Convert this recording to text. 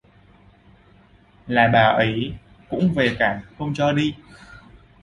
là bà ấy cũng về cản không cho đi